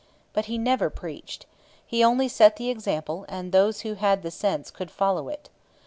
But he never preached. He only set the example, and those who had the sense could follow it.